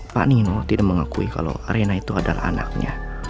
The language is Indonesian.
pak nino tidak mengakui kalau arena itu adalah anaknya